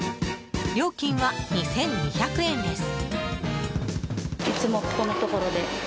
料金は２２００円です。